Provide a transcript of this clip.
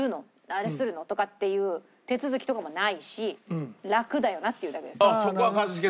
あれするの？」とかっていう手続きとかもないし楽だよなっていうだけです。